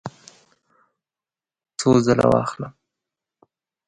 څو ځله واخلم؟